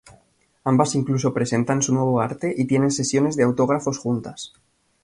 Ambas incluso presentan su nuevo arte y tienen sesiones de autógrafos juntas.